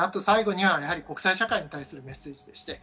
最後には国際社会に対するメッセージ。